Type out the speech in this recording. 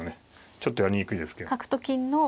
ちょっとやりにくいですけど。